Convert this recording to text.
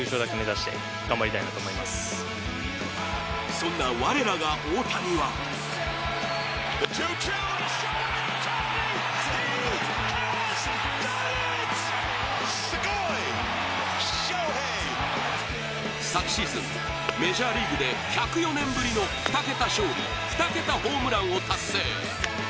そんな我らが大谷は昨シーズン、メジャーリーグで１０４年ぶりの２桁勝利・２桁ホームランを達成。